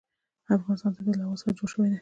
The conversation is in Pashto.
د افغانستان طبیعت له هوا څخه جوړ شوی دی.